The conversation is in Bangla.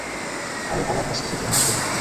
কাল বাবার কাছ থেকে জেনে আসবে।